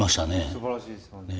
すばらしいです本当に。